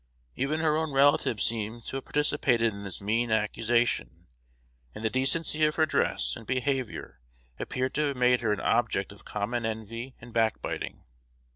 Even her own relatives seem to have participated in this mean accusation; and the decency of her dress and behavior appear to have made her an object of common envy and backbiting.